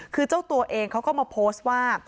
คือเจ้าตัวเองเขาก็มาโพสต์ว่า